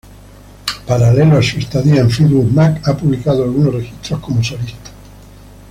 Paralelo a su estadía en Fleetwood Mac ha publicado algunos registros como solista.